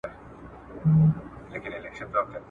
د ولور اداء کول واجب عمل دی.